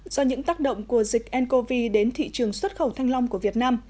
do những tác động của dịch ncov đến thị trường xuất khẩu thanh long của việt nam